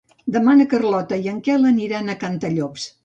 Demà na Carlota i en Quel aniran a Cantallops.